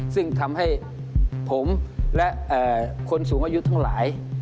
ซึ่งทำให้ผมและคนสูงอายุทั้งหลาย